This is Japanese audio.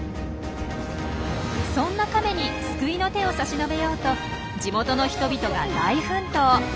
そんなカメに救いの手を差し伸べようと地元の人々が大奮闘。